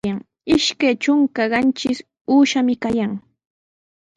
Ishkay trunka qanchis uushami kayan.